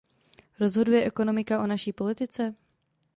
Rozhoduje ekonomika o naší politice?